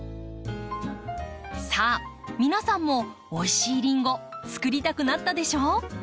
さあ皆さんもおいしいリンゴつくりたくなったでしょ？